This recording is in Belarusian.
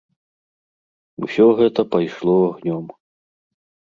Усё гэта пайшло агнём.